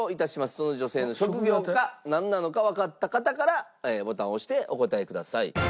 その女性の職業がなんなのかわかった方からボタンを押してお答えください。